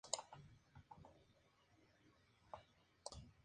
Y fue compilador de la obra "Bolívar visto por marxistas".